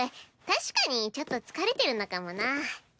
確かにちょっと疲れてるのかもな。